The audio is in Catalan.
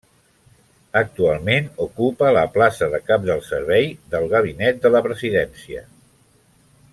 Actualment ocupa la plaça de cap de servei del Gabinet de la Presidència.